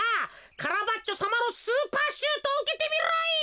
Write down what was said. カラバッチョさまのスーパーシュートをうけてみろ！